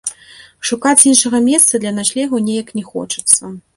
Шукаць іншага месца для начлегу неяк не хочацца.